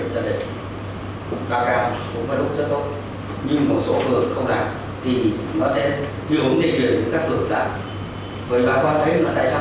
nhưng một số phường không làm thì nó sẽ hiểu thiệt về những các phường làm